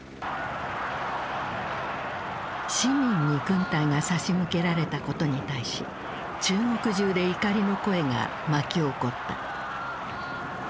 市民に軍隊が差し向けられたことに対し中国じゅうで怒りの声が巻き起こった。